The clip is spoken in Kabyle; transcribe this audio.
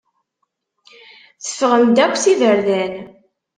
Teffɣem-d akk s iberdan.